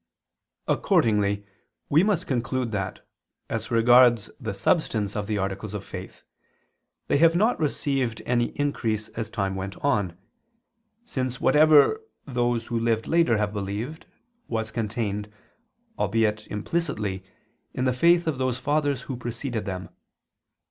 Accordingly we must conclude that, as regards the substance of the articles of faith, they have not received any increase as time went on: since whatever those who lived later have believed, was contained, albeit implicitly, in the faith of those Fathers who preceded them.